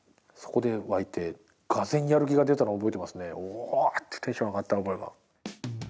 おおー！ってテンション上がった覚えが。